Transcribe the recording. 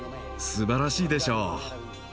すばらしいでしょう！